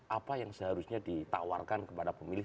apa yang seharusnya ditawarkan kepada pemilih